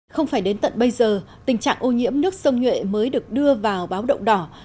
không phải đến tận bây giờ tình trạng ô nhiễm nước sông nhuệ mới được đưa vào báo động đỏ